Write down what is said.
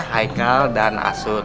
haikal dan asun